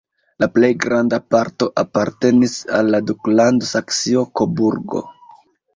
La plej granda parto apartenis al la duklando Saksio-Koburgo.